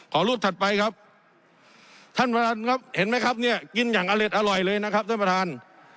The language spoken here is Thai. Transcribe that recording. รูปถัดไปครับท่านประธานครับเห็นไหมครับเนี่ยกินอย่างอเล็ดอร่อยเลยนะครับท่านประธาน